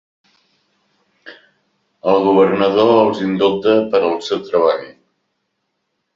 El governador els indulta per al seu treball.